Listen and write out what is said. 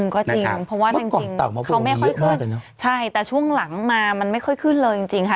ก็จริงเพราะว่าจริงเขาไม่ค่อยขึ้นใช่แต่ช่วงหลังมามันไม่ค่อยขึ้นเลยจริงค่ะ